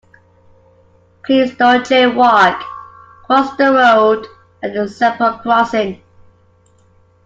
Please don't jay-walk: cross the road at the zebra crossing